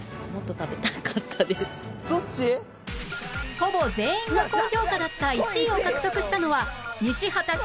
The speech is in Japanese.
ほぼ全員が高評価だった１位を獲得したのは西畑か？